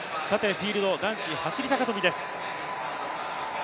フィールド、男子走高跳です